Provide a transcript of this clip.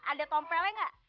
ada tompelnya gak